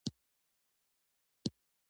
هغه کتاب د علم او حکمت ډک و.